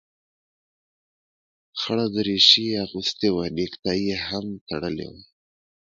خړه دريشي يې اغوستې وه نيكټايي يې هم تړلې وه.